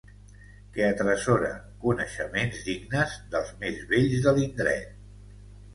Que atresora coneixements dignes dels més vells de l'indret.